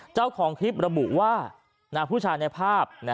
เจ้าของคลิประบุว่าผู้ชายในภาพ